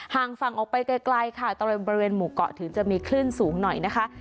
ห่างฝั่งออกไปไกลค่ะบริเวณหมู่เกาะถึงจะมีคลื่นสูงหน่อยนะคะ